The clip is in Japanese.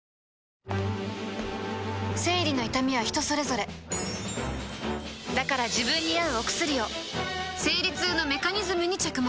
生理の痛みは人それぞれだから自分に合うお薬を生理痛のメカニズムに着目